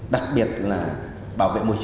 đặc biệt là bảo vệ môi trường